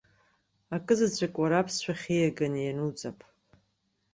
Акызаҵәык уара аԥсшәахь ииганы иануҵап.